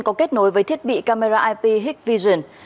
có kết nối với thiết bị camera ip hikvision